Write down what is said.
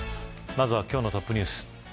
まずは、今日のトップニュース。